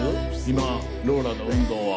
今ローラの運動は。